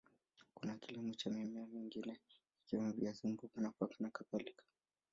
Kuna kilimo cha mimea mingine ikiwemo viazi, mboga, nafaka na kadhalika.